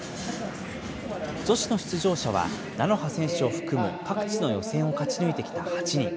女子の出場者は、なのは選手を含む各地の予選を勝ち抜いてきた８人。